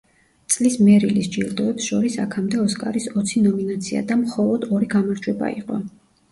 წლის მერილის ჯილდოებს შორის აქამდე „ოსკარის“ ოცი ნომინაცია და მხოლოდ ორი გამარჯვება იყო.